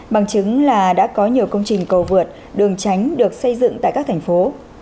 bằng chứng là đã có nhiều công trình cầu vượt đường tránh được xây dựng tại các thành phố